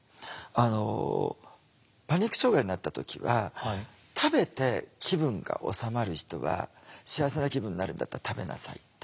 あのパニック障害になった時は食べて気分が治まる人は幸せな気分になるんだったら食べなさいって。